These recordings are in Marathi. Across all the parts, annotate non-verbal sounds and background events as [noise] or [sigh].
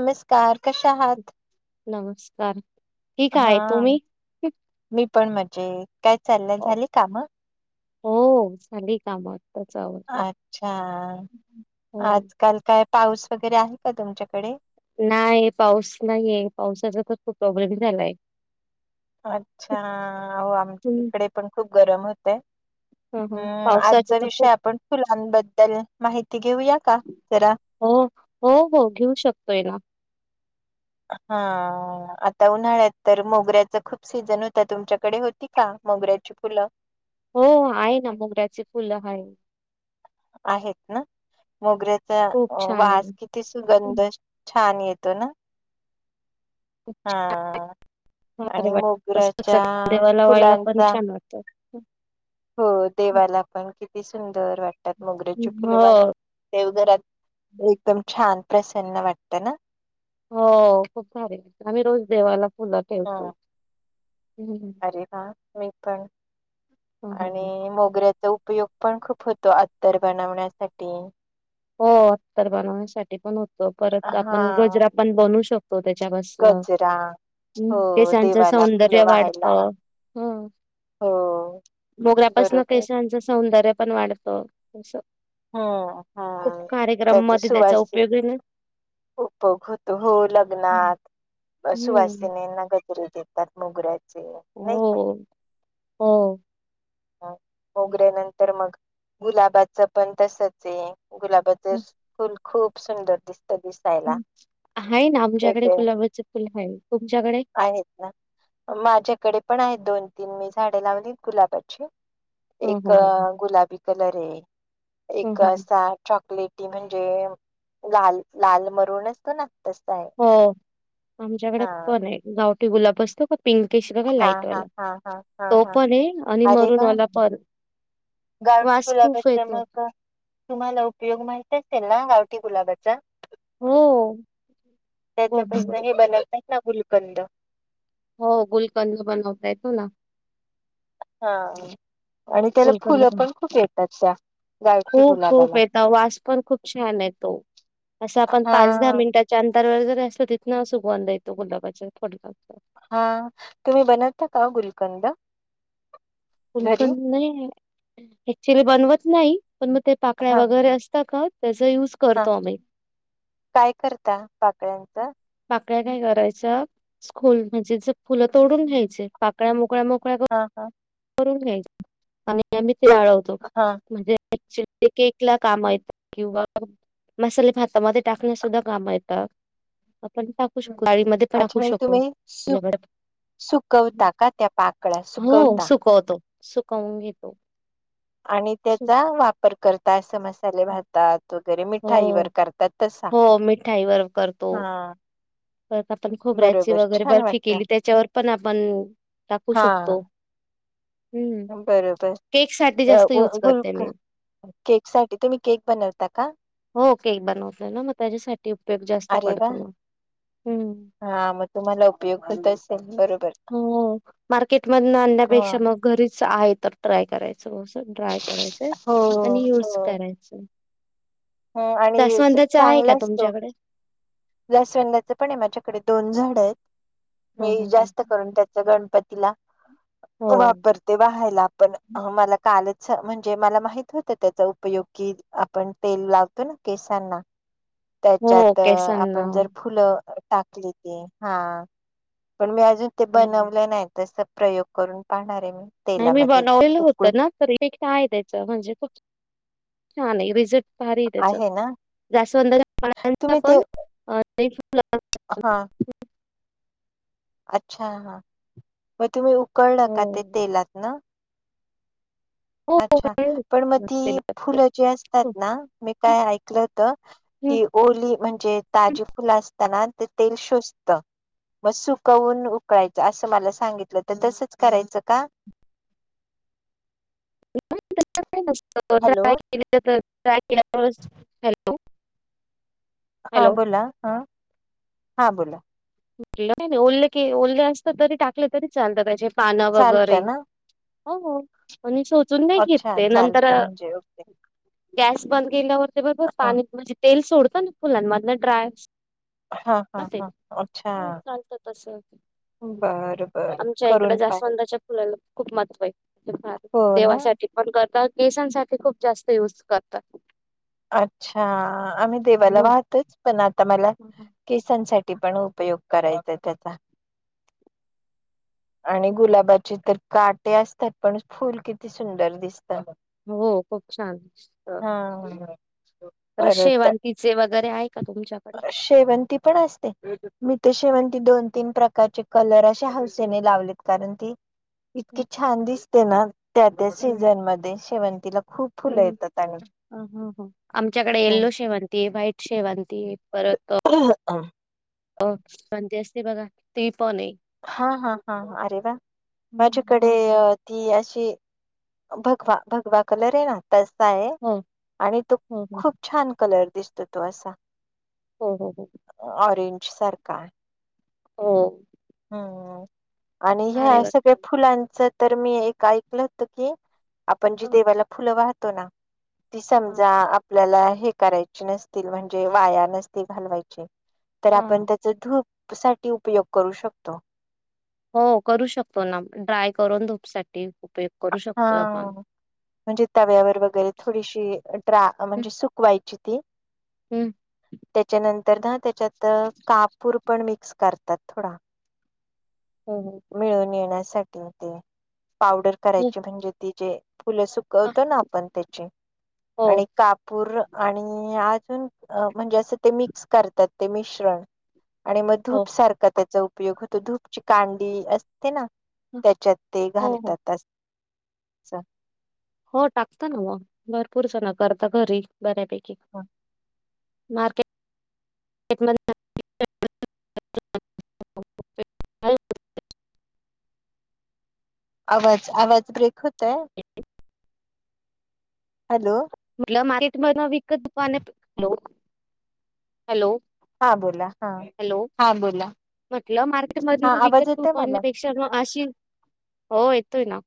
नमस्कार कशा आहात. नमस्कार. ठीक आहे हा तुम्ही? मी पण म्हणजे काय चाललं अ, झाले काम हो ग कामात. अच्छा हो. आजकाल काय पाऊस वगैरे आहे का तुमच्याकडे नाही पाऊस नाहीये पावसाचा तर खूप प्रॉब्लेम झालाय. अच्छा होह आम हं. इकडे पण खूप गरम होते. हं, हं. हम्म पावसाचे आजचा तर विषय खूप आपण फुलांबद्दल माहिती घेऊया का जरा हो हो हो घेऊ शकतोय ना हा. आता उन्हाळ्यात तर मोगऱ्याच खूप सीझन होत तुमच्याकडे होती का मोगऱ्याची फुलं हो आहे ना मोगऱ्याची फुलं आहे. आहेत ना मोगऱ्याचा खूप छान वास आहे. किती हं. सुगंध छान येतो ना हा भारी आणि वाटतं तसं मोगऱ्याच्या देवाला लावायला पण फुलांचा छान वाटतं. हं, हो हं. देवाला पण किती सुंदर वाटतात मोगऱेची फुलं वाली हो. देवघरात एकदम छान प्रसन्न वाटतं ना हो खूप सारे आम्ही रोज देवाला फुलं ह ठेवतो. हं, हं. अरे ह मी पण हं, हं, हं. आणि मोगऱ्याच उपयोग पण खूप होतो, अत्तर बनवण्यासाठी. हो अत्तर बनवण्यासाठी पण होतो. परत आपण हा गजरा पण बनू शकतो त्याच्यापासून. गजरा. हो हम्म केसांचं देवाला फुलं सौंदर्य वाढत. व्हायला हं हो मोगऱ्यापासन बरोबर केशांच सौंदर्य पण वाढत अस. हो हा. खूप कार्यक्रम मध्ये त्याचा उपयोग [unintelligible] उपोग होतो. हो लग्नात, हम्म सुवासिनींना गजरे देतात मोगऱ्यात चे नाही का? हो हो. मोगऱ्या नंतर मग, गुलाबाचं पण तसच. ते गुलाबाचे हं, फुल खूप सुंदर दिसत. दिस हाय ना आमच्याकडे गुलाबाच फुल हाय. तुमच्याकडे? आहेत माझ्याकडे पण आहेत दोन तीन मी झाडे लावलीयत गुलाबाची. हो एक हो हो. गुलाबी कलरय, हो एक हो हो असा चॉकलेट टी म्हणजे लाल लाल मरून असतना तसं हो, आमच्याकडे पणय गावटी गुलाब असतो का पिंकेश बगा हा लाईट हा वाला. हा हा हा तो हा पण हे आणि अरे मरून वा वाला पण. गावठी वास खूप गुलाबाच येतो. मग तुम्हाला उपयोग माहिती असेल ना, गावटी गुलाबा चा हो. गोटी त्याच्यापासन हे बनवतय ना गुलकंद. हो गुलकंद बनवता येतो ना. हा आणि त्याला फुलं पण खूप येतात, त्या गावठी खूप खूप गुलाबाला येता वास पण खूप छान येतो. असं आपण हा पाच दहा मिनिटा च्या अंतर वर जर असलं तिथन सुगवंध येतो गुलाबाच्या [unintelligible] हा, तुम्ही बनतता का गुलकंद? घरी गुलकंद नाही. ऍक्च्युली बनवत नाही, पण मग ते पाकळ्या हा वगैरे असता का त्याचा युज हा, करतो आम्ही. काय करता पाकळ्यांचं? पाकळ्या काय करायच, सखोल [unintelligible] फुलं तोडून घ्यायचे. पाकळ्या मोकळ्या मोकळ्या क हां हां. करून घ्यायच आणि आ म् ते आळवतो. हा म्हणजे [unintelligible] ते केक ला काम येत किंवा मसाले भातामध्ये टाकण्यास सुद्धा काम येता. आपण टाक टाकू शकतो गाडी मध्ये पण अच्छा टाकू म्हणजे शकतो तुम्ही सु [unintelligible] सुकवता का त्या पाकळ्या? सुकव हो सुकवतो, सुकवून घेतो. आणि त्याचा वापर करता, अस मसाले भातात वगैरे मि हो ठाई वर करतात तसा. हो मिठाईवर करतो हा परत आपण खोबऱ्याची बरोबर वगैरे छान बर्फी वाटत केली त्याच्यावर पण आपण टाकू हा शकतो. हम्म बरोबर. केक साठी अ जास्त व युज करते मी -गुलकंद साठी तुम्ही केक बनवता का? हो केक बनवतोय ना मग, त्याच्यासाठी उपयोग जास्त अरे वा पडतो मग हम. हा मग तुम्हाला उपयोग होत असेल बरोबर. हो मार्केट मधन हा आणण्यापेक्षा मग घरीच आहे तर, ट्राय करायचं, ट्राय करायचंय, हो आणि युज हो करायच. हं, आणि स- जास्वंदच आहे चांगला का असतो तुमच्याकडे? जास्वंदाच पण आहे माझ्याकडे, दोन झाड आहेत. हो मी हो हो जास्त करून त्याचा गणपतीला हो वापरतो. व्हायला पण, मला कालच म्हणजे, मला माहित होत त्याचा उपयोग की पण तेल लावतो ना केसांना हो त्याच्यात, केसांना आपण जर फुलं टाकली ती, हा पण मी अजून ते हो. बनवलं नाही, तस प्रयोग करून पाहणार आहे मी. नाही मी तेलामध्ये बनवलं होत उकळून ना तरीे आहे, द्यायच म्हणजे छान आहे रिझ फार त्याच आहे ना जास्तवंदा पाण्या तुम्ही ते पण हा. अच्छा हा मग तुम्ही उकळलं का ते हो तेलात न. हो अच्छा, काय पण मग ती नसत फुलं जी असतात ना, मी काय ऐकलं होत. कि ओली म्हणजे, ताजी फुलं असताना ते तेल शोसत. मग सुकवून उकळायचं, असं मला सांगितलं, तर तसंच करायचं का? हॅलो त [unintelligible] हां बोला, हा हां बोला. ओले के ओले असतात तरी टाकले तरी चालतात, त्याचे पानं वगैरे. चालतं ना हो, हो मी शोषून नाही घेत अच्छा ते, नंतर. चालतं म्हणजे ओके गॅस बंद केल्यावर ते बरोबर हा पाणी म्हणजे तेल सोडतं ना फुलांमधलं ड्राय हा ना हा ते हा. अच्छा हो चालत तस. बर बर आमच्या इकड करून पाहि जास्वंदाच्या फुलाला खूप महत्त्वय ते फार, हो ना देवासाठी. पण करता केसांसाठी खूप जास्त युज करतात. अच्छा, आम्ही देवाला हो वाहतच. पण आता मला केसांसाठी पण उपयोग करायचा त्याचा. आणि गुलाबाचे तर काटे असतात पण फुल किती सुंदर दिसतं. हो खूप छान दिसत. हा. [unintelligible] तर शेवांतीचे वगैरे आहे का तुमच्याकड? शेवंती पण असते. मी ते शेवंती ती दोन तीन प्रकारचे कलर अशा हौसेने लावलेत. कारण ती इतकीे छान दिसते ना, त्या त्या सीझन मध्ये शेवंतीला खूप हम्म फुलं हम्म येतात आणि हा हा हा. आमच्याकडे येलो शेवंतीय, व्हाईट शेवं ती परत हं. [unintelligible] असते बघा ती पणय. हा हा हा अरे वा, हम्म माझ्याकडे ह. ती अशी भगवा भगवा कलरय ना तसा आहे हो आणि तो हो हो खूप छान कलर दिसतो तो असा. हम्म हम्म हम्म. ऑरेंज सारखां. हम्म. ह् आणि ह्या भारी सगळ्यां वाटतं. फुलांच तरं मी एक ऐकलं होतं की आपणं जी ह देवाला फुलं वाहतो ना ती ह समजा आपल्यांला हे करायची नसतील म्हणजे वाया नसतं घालवायची तर ह आपणं ह. त्या ची धूंप सांठी उपयोग करूं शकतो. हो करूं शकतो ना ड्राय करूंन धूंपसांठी उपयोग. करू हा शकतो आपण. म्हणजे तव्यांवर वगैरे थोडीशी ड्रा म्हणजे सुकवांयची. ते. हम् त्यांच्यानंतर नां त्यांच्यात कापूर पणं मिक्स करतांत थोडा. हो हो. मिळून येण्यांसांठी येते पांवडर हो करांयची म्हणजे ती जे फुलं हं, सुकवतो नां आपणं त्यांची हो आणि काप पूर आणि अजून म्हणजे असं ते मिक्स करतांत ते मिश्रण. आणि मंग हो धूंप सारखा त्यांचा उपयोग होतों धूंपची कांडी असं ते ना हं, त्याच्यात ते हो. हो घालतात अस हो टाकतो ना म भरपूर सगळ करतो घरी बऱ्यापैकी. हं. मार्केटमध्ये आवाज आवाज ब्रेक होतोय. हॅलो? म्हटलं मार्केट मधन विकत पालो हॅलो हा बोला हा हॅलो.. हा बोला म्हटलं मार्केट हा मधून आवाज विकत येतोय फूट मला आणण्यांपेक्षा षडम अशी हो येतोय नां.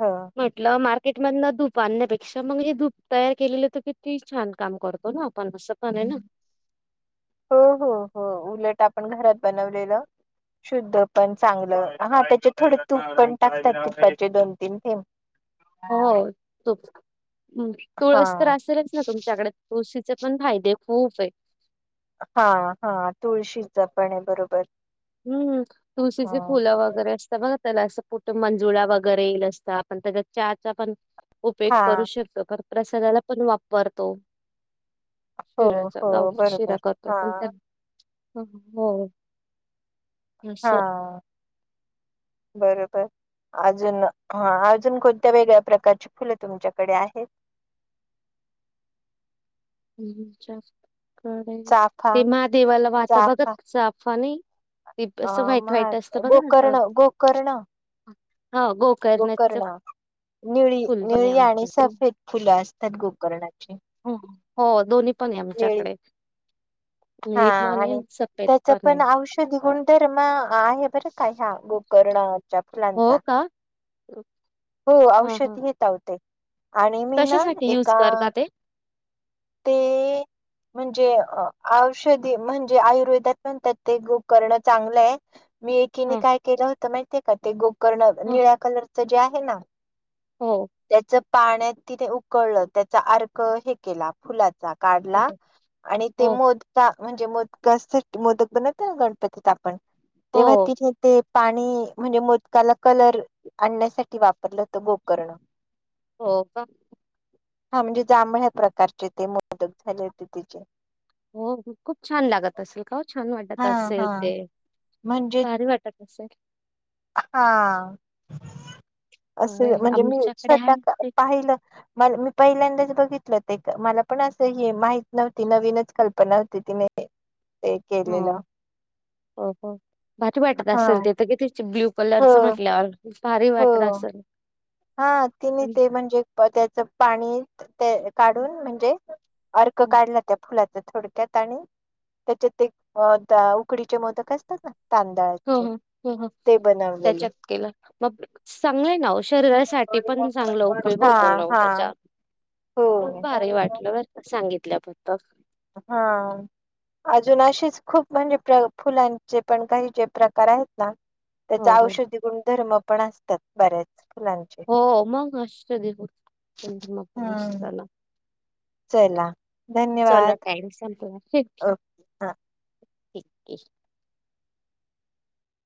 हो. म्हटलं मार्केटमधून धूंप आणण्यांपेक्षा मंग जे धूंप तयार केलेलं होतं की ती छान कामं करतों ना आपणं असं पणं आहे नां. हो हो हो उलटं आपणं घरांत बनवलेलं शुद्ध पणं चांगलं हां त्यांच्यात थोडे तूप पणं टाकतांत तुपाचे दोन तीनं थेंब. हो तोच हा तुळस तरं असेलच ना तुमच्यांकडे? तुळशीचे पणं फायदे खूंप आहेत. हां हां तुळशीच पणं आहे बरोबर. हम्म ह तुळशीची फुलं वगैंरें असं बघा त्यांला असं कुठं मंजुळा वगैंरे येईल असतां आपणं त्यांच्यात चहाचा पणं उपयोग हा करूं शकतो कारण प्रसादाला पणं वापरतो. हो शिऱ्यांचा हो गावं बरोबर शिरा करतो हा त्यांत पणं हो. असं. हां बरोबर. अजून हा अजून कोणत्यां वेगळ्यां प्रकारचीं फुलं तुमच्यांकडे आहेत? पेरूच्या कडे चाफा ते महादेवाला वाहता बघा चाफा ते चाफा नाहीं ते अ असं वाईट महा वाईट असतं बघा नां तो गोकर्ण गोकर्ण हो गो गोकर्ण निळी पण आहे निळी आमचं आणि सफेद फुलं असतांत गोकर्णाची. हो दोन्हीं पणं आहे आमच्यांकडे. हां आणि त्याचं आहे पणं औष ध गुणधर्म आहे बरं का ह्यां गोकर्णावर. त्या फुलांचा हो का हो हा हा औषध घेत हांव तें. आणि मी नां कशासाठी यूज एका करता ते ते म्हणजे औषधी म्हणजे आयुर्वेदात पणं त्यात ते गोकर्ण चांगलंय आहे. मी एकीने हा कायं केलं होतं माहितीे आहे का ते गोकर्ण हा निळ्यां कलरचं जे आहे नां हो. त्याचं पाण्यांत तिने उकळलं, त्यांचा अर्क हे केलां फुलाचा हो काढलां आणि ते हो मो बा म्हणजे मोद मोदक बनवते ना, गणपतीत आपण तेव्हा हो तिथे ते पाणी म्हणजे मोदकाला कलर आणण्यासाठी वापरलं होतं, गोकर्ण. हो का? हा म्हणजे जांभळ्या प्रकारचे ते मोदक झाले होते तिचे. हो खूप छान लागत असेल का हो, छान वाटत हा असेल हा ते, म्हणजे भारी वाट असल. हा बरं असं आहे म्हणजे मी आमच्याकडे स्वतः आहे पाहिलं मला मी पहिल्यांदाच बघितलं, ते मला पण असं हे माहित नव्हती, नवीनच कल्पना होती तिने ते एक हो हो हो भारी वाटत हा असल ते, तर किती ब्ल्यू? हो कलरच म्हटल्यावर भारी वाटत हो असंल. हा तिने ते म्हणजे त्याचं पाणी ते काढून म्हणजे अर्क हो काढला त्या फुलाचा थोडक्यात आणि त्याच्यात ते उकडीचे मोदक असतात ना तांदळाचे ते बनवलेले. केला. मंग चांगलंय ना ओ शरीरा साठी पणं चांगला उपयोग हा होतो ना ओ हा त्याचा, हो खूप भारी वाटलं बरं कां? सांगितल्या पत्त हा. अजून अशीच खूप म्हणजे प्र फुलांचे पण काही जे प्रकार आहेत ना त्याच हो हो औषधी गुणधर्म पण असतात, बऱ्याच फुलांचे. हो मग असत ते [unintelligible] गुणधर्म पण असत हम्म ना. चला. चला धन्यवाद टाईम संपला. ओके हा [unintelligible] ठिकय.